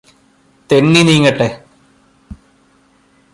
തെന്നി നീങ്ങട്ടെ